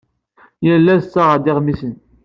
Yal ass ssaɣeɣ-d iɣmisen.